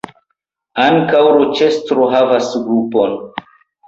Ankaŭ Roĉestro havas grupon.